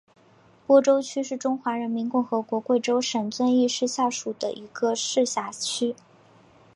播州区是中华人民共和国贵州省遵义市下属的一个市辖区。